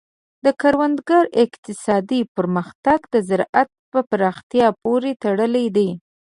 د کروندګر اقتصادي پرمختګ د زراعت پراختیا پورې تړلی دی.